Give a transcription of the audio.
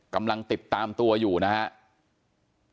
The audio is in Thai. กำลังติดตามตัวอยู่นะครับ